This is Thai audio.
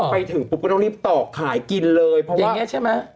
ไปถึงปุ๊บก็ต้องรีบตอกขายกินเลยอย่างนี้ใช่ไหม